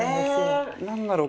え何だろう？